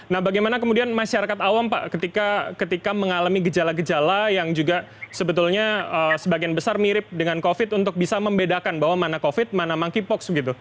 nah bagaimana kemudian masyarakat awam pak ketika mengalami gejala gejala yang juga sebetulnya sebagian besar mirip dengan covid untuk bisa membedakan bahwa mana covid mana monkeypox gitu